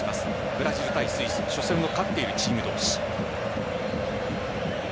ブラジル対スイス初戦を勝っているチーム同士。